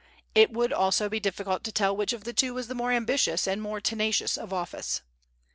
It would also be difficult to tell which of the two was the more ambitious and more tenacious of office.